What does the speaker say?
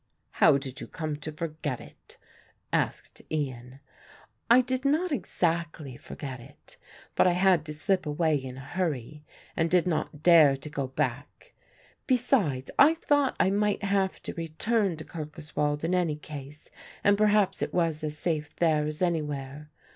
"How did you come to forget it?" asked Ian. "I did not exactly forget it; but I had to slip away in a hurry and did not dare to go back; besides I thought I might have to return to Kirkoswald in any case and perhaps it was as safe there as anywhere.